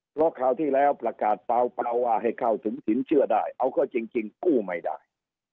เพราะคราวที่แล้วประกาศเปล่าว่าให้เข้าถึงสินเชื่อได้เอาก็จริงกู้ไม่ได้